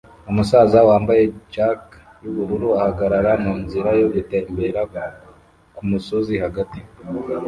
Umusaza wambaye jack yubururu ahagarara munzira yo gutembera kumusozi hagati